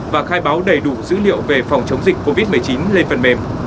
và khai báo đầy đủ dữ liệu về phòng chống dịch covid một mươi chín lên phần mềm